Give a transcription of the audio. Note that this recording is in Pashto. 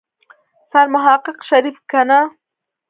سرمحقق شريف کنه.